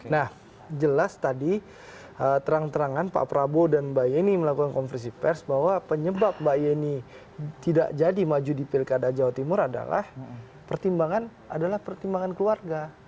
nah jelas tadi terang terangan pak prabowo dan mbak yeni melakukan konversi pers bahwa penyebab mbak yeni tidak jadi maju di pilkada jawa timur adalah pertimbangan adalah pertimbangan keluarga